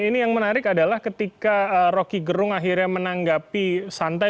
ini yang menarik adalah ketika rocky gerung akhirnya menanggapi santai